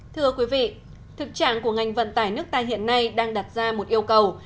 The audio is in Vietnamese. thưa quý vị thực trạng của ngành vận tải nước ta hiện nay đang đặt ra một yêu cầu